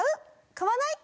買わない？